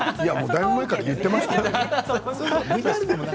だいぶ前から言ってますけどね。